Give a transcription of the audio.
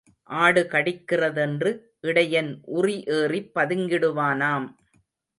ஆடு கடிக்கிறதென்று இடையன் உறி ஏறிப் பதுங்கிடுவானாம்.